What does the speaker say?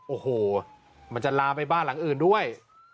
โอ้โหมันจะลามไปบ้านหลังอื่นด้วย